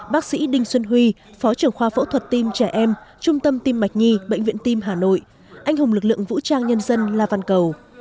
bác sĩ đinh xuân huy phó trưởng khoa phẫu thuật tim trẻ em trung tâm tim mạch nhi bệnh viện tim hà nội anh hùng lực lượng vũ trang nhân dân la văn cầu